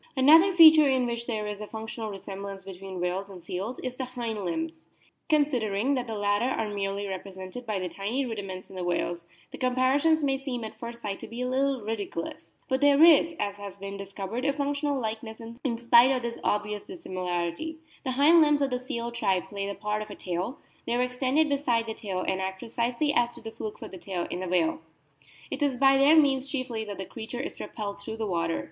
Another feature in which there is a functional re semblance between whales and seals is in the hind limbs. Considering that the latter are merely re presented by tiny rudiments in the whales, the comparison may seem at first sight to be a little ridiculous. But there is, as has been observed, a functional likeness in spite of this obvious dis similarity. The hind limbs of the seal tribe play the part of a tail ; they are extended beside the tail and act precisely as do the flukes of the tail in the whale ; it is by their means chiefly that the creature is propelled through the water.